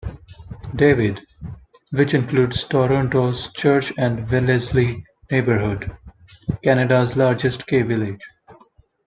David, which includes Toronto's Church and Wellesley neighbourhood, Canada's largest gay village.